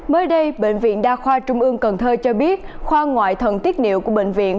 mới đây bệnh viện đa khoa trung ương cần thơ cho biết khoa ngoại thần tiết niệu của bệnh viện